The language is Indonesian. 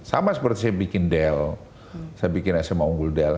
sama seperti saya bikin del saya bikin sma unggul del